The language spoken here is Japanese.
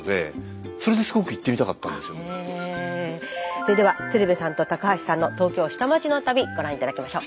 それでは鶴瓶さんと高橋さんの東京下町の旅ご覧頂きましょう。